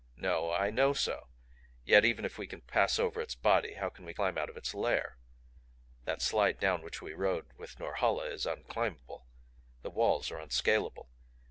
"No I KNOW so. Yet even if we can pass over its body, how can we climb out of its lair? That slide down which we rode with Norhala is unclimbable. The walls are unscalable.